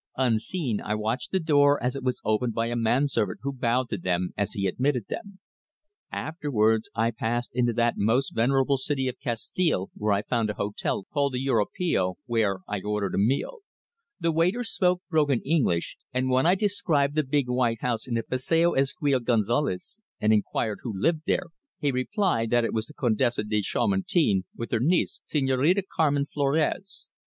Unseen, I watched the door as it was opened by a man servant who bowed to them as he admitted them. Afterwards I passed into that most venerable city of Castile where I found a hotel called the Europeo, where I ordered a meal. The waiter spoke broken English, and when I described the big white house in the Passeo Ezequiel González and inquired who lived there he replied that it was the Condesa de Chamartin with her niece Señorita Carmen Florez.